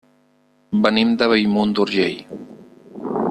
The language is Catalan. Venim de Bellmunt d'Urgell.